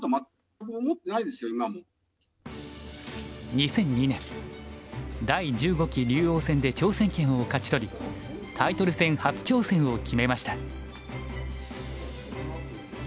２００２年第１５期竜王戦で挑戦権を勝ち取りタイトル戦初挑戦を決めました。